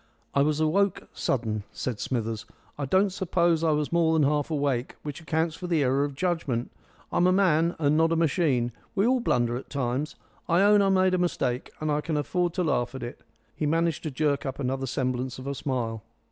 "I was awoke sudden," said Smithers. "I don't suppose I was more than half awake, which accounts for the error of judgment. I'm a man, and not a machine. We all blunder at times. I own I made a mistake, and I can afford to laugh at it." He managed to jerk up another semblance of a smile.